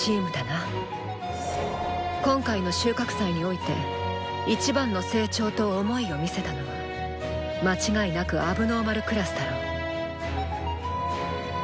今回の収穫祭において一番の成長と想いを見せたのは間違いなく問題児クラスだろう。